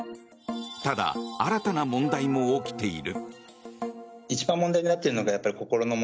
ただ、新たな問題も起きている。